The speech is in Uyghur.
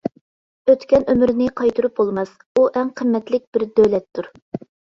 ئۆتكەن ئۆمۈرنى قايتۇرۇپ بولماس، ئۇ ئەڭ قىممەتلىك بىر دۆلەتتۇر.